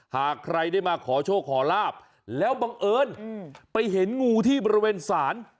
หากใครได้มาขอโชคขอลาบแล้วบังเอิญไปเห็นงูที่บริเวณศาล